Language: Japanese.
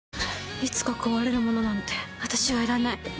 「いつか壊れるものなんて私はいらない」